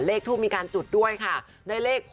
แล้วก็มีการจูดด้วยค่ะได้เลข๖๑๒